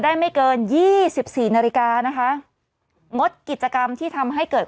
ไม่เกินยี่สิบสี่นาฬิกานะคะงดกิจกรรมที่ทำให้เกิด